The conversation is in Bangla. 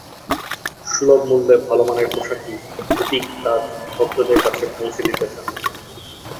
সুলভ মূল্যে ভালো মানের পোশাকই হূতিক তাঁর ভক্তদের কাছে পৌঁছে দিতে চান।